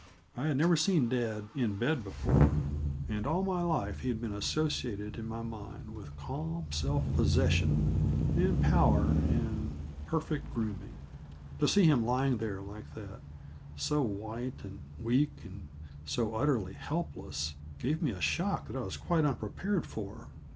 I had never seen dad in bed before, and all my life he had been associated in my mind with calm self possession and power and perfect grooming. To see him lying there like that, so white and weak and so utterly helpless, gave me a shock that I was quite unprepared for.